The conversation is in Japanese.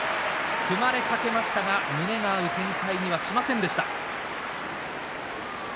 組まれかけましたが胸が合う展開にはしませんでした。